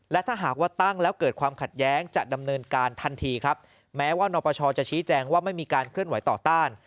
และถ้าหากว่าตั้งแล้วเกิดความขัดแย้งจะดำเนินการทันทีครับแม้ว่านปชจะชี้แจงว่าไม่มีการเคลื่อนไหวต่อต้าน